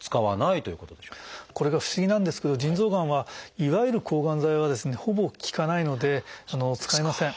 これが不思議なんですけど腎臓がんはいわゆる抗がん剤はですねほぼ効かないので使いません。